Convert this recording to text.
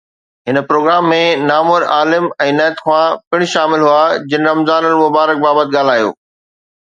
هن پروگرام ۾ نامور عالم ۽ نعت خوان پڻ شامل هئا جن رمضان المبارڪ بابت ڳالهايو